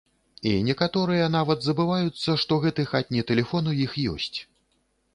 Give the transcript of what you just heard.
І некаторыя нават забываюцца, што гэты хатні тэлефон у іх ёсць.